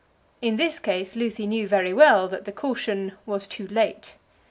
In this case Lucy knew very well that the caution was too late.